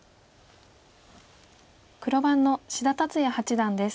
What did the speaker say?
黒番の志田達哉八段です。